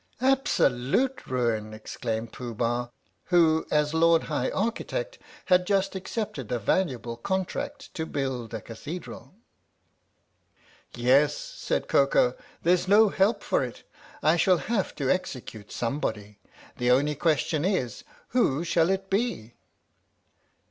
"Absolute ruin!" exclaimed Pooh Bah, who as Lord High Architect had just accepted a valuable contract to build a cathedral. " Yes," said Koko, " there 's no help for it ; I shall have to execute somebody. The only question is, who shall it be?"